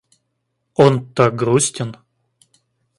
Он так грустен.